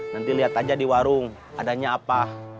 nanti lihat aja di warung adanya apa